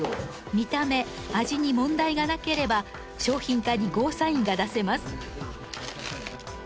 見た目味に問題がなければ商品化にゴーサインが出せます。